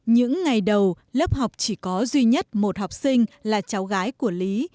những ngày đầu lớp học chỉ có duy nhất một học sinh là cháu gái của lý